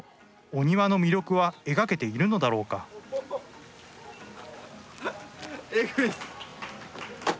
お庭の魅力は描けているのだろうかおおお。